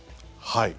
はい。